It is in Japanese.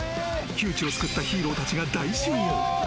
窮地を救ったヒーローたちが大集合。